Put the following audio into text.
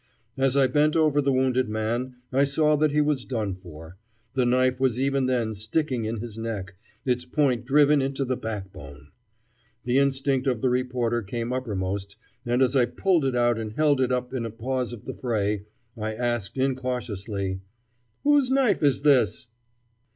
As I bent over the wounded man, I saw that he was done for. The knife was even then sticking in his neck, its point driven into the backbone. The instinct of the reporter came uppermost, and as I pulled it out and held it up in a pause of the fray, I asked incautiously: "Whose knife is this?"